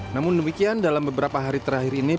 namun demikian dalam beberapa hari terakhir ini